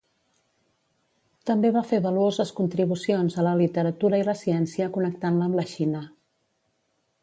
També va fer valuoses contribucions a la literatura i la ciència connectant-la amb la Xina.